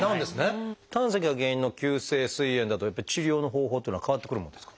胆石が原因の急性すい炎だとやっぱり治療の方法っていうのは変わってくるもんですか？